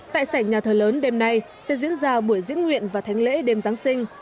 tại sảnh nhà thờ lớn đêm nay sẽ diễn ra buổi diễn nguyện và thánh lễ đêm giáng sinh